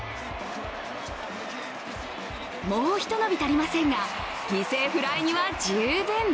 もうひと伸び足りませんが犠牲フライには十分。